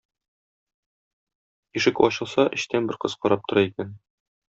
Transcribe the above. Ишек ачылса, эчтән бер кыз карап тора икән.